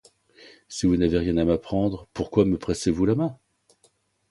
Si vous n’avez rien à m’apprendre, Pourquoi me pressez-vous la main?